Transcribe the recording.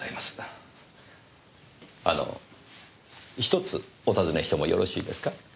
あの１つお尋ねしてもよろしいですか？